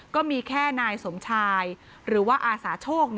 ก็มีแค่นายสมชายหรือว่าอาสาโชค